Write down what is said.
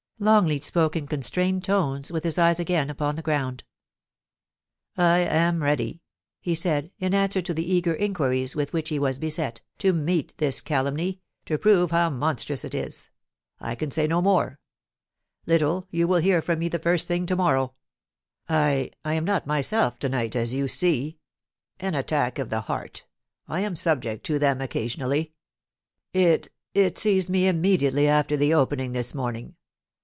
Longleat spoke in constrained tones, with his eyes again upon the ground 414 > POLICY AND PASSION. * I am ready,' he said, in answer to the eager inquiries with which he was beset, * to meet this calumny — to prove how monstrous it is. I can say no more. ... Little, pu will hear from me the first thing to morrow. I — I am not myself to night, as you see. An attack of the heart I am subject to them occasionally. It — it seized me immediately after the Opening this morning.